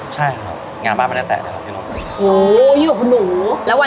มีขอเสนออยากให้แม่หน่อยอ่อนสิทธิ์การเลี้ยงดู